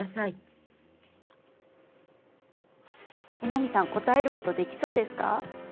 榎並さん、答えることできそうですか？